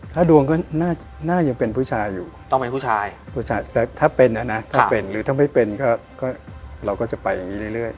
ถ้าดวงก็หน้ายังเป็นผู้ชายอยู่ต้องเป็นผู้ชาย